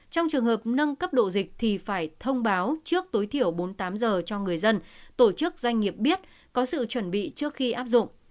trong trường hợp nâng cấp độ dịch thì phải thông báo trước tối thiểu bốn mươi tám giờ cho người dân tổ chức doanh nghiệp biết có sự chuẩn bị trước khi áp dụng